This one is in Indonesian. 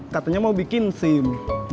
katanya mau bikin sim